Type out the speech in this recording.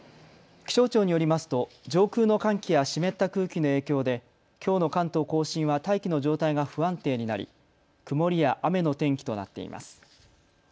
気象庁によりますと上空の寒気や湿った空気の影響できょうの関東甲信は大気の状態が不安定になり曇りや雨の天気となっています。